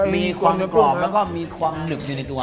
มีความกรอบแล้วก็มีความหนึบอยู่ในตัว